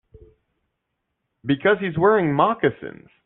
Because he's wearing moccasins.